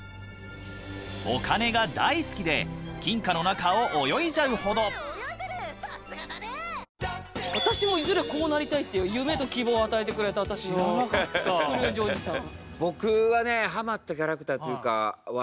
お金が大好きで金貨の中を泳いじゃうほど！っていう夢と希望を与えてくれたあたしのスクルージおじさん。